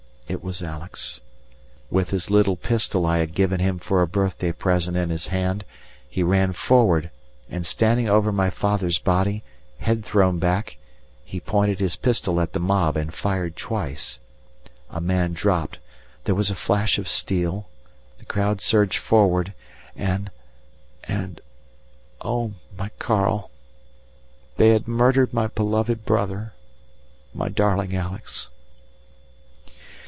It was Alex. With his little pistol I had given him for a birthday present in his hand, he ran forward and, standing over my father's body, head thrown back, he pointed his pistol at the mob and fired twice. A man dropped, there was a flash of steel, the crowd surged forward, and and, oh! my Karl, they had murdered my beloved brother, my darling Alex.